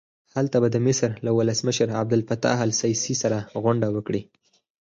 هلته به د مصر له ولسمشر عبدالفتاح السیسي سره غونډه وکړي.